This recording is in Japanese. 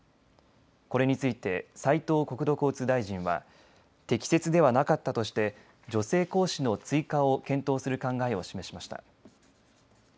これについて斉藤国土交通大臣は適切ではなかったとして女性講師の追加を検討する考えを示しました。